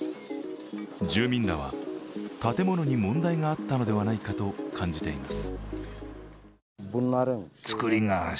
住民らは、建物に問題があったのではないかと感じています。